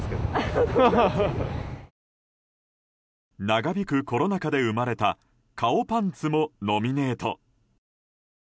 長引くコロナ禍で生まれた顔パンツもノミネート。